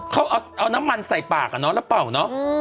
เขาเอาน้ำมันใส่ปากอะเนาะแล้วเป่าเนาะ